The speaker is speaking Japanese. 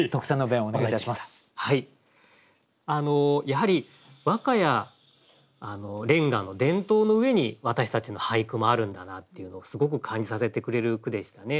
やはり和歌や連歌の伝統の上に私たちの俳句もあるんだなっていうのをすごく感じさせてくれる句でしたね。